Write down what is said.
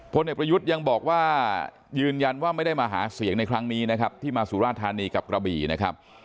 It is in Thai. เด็กประยุทธ์ยังบอกว่ายืนยันว่าไม่ได้มาหาเสียงในครั้งนี้นะครับที่มาสุราธานีกับกระบี่นะครับ